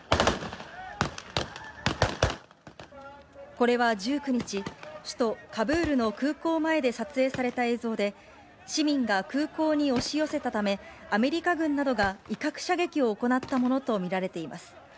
これは１９日、首都カブールの空港前で撮影された映像で、市民が空港に押し寄せたため、アメリカ軍などが威嚇射撃を行ったものと見られています。